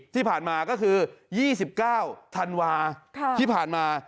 ที่ผ่านมาก็คือ๒๙ธันวาที่ผ่านมา